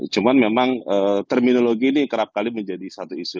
cuma memang terminologi ini kerap kali menjadi satu isu